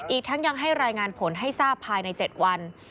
อีกทั้งยังให้รายงานผลให้ทราบภายใน๗วัน